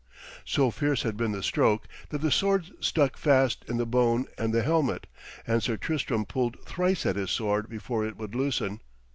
So fierce had been the stroke that the sword stuck fast in the bone and the helmet, and Sir Tristram pulled thrice at his sword before it would loosen.